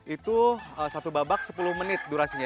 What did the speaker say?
itu satu babak sepuluh menit durasinya